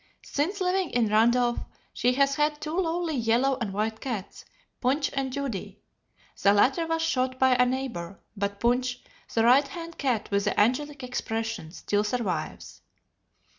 Since living in Randolph she has had two lovely yellow and white cats, "Punch and Judy." The latter was shot by a neighbor, but Punch, the right hand cat with the angelic expression, still survives.